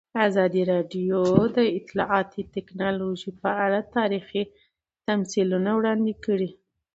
ازادي راډیو د اطلاعاتی تکنالوژي په اړه تاریخي تمثیلونه وړاندې کړي.